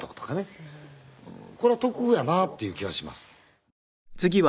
これ得やなっていう気がします。